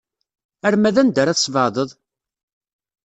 Arma d anda ara tesbeɛdeḍ?